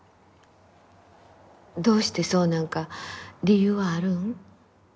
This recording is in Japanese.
どうしてそうなんか理由はあるん？